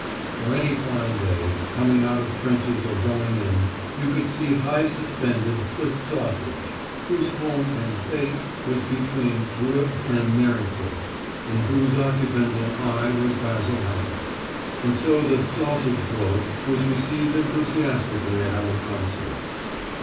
For any fine day, coming out of trenches or going in, you could see high suspended the "sausage," whose home and "base" was between Treux and Mericourt, and whose occupant and eye was Basil Hallam. And so the "sausage bloke" was received enthusiastically at our concert.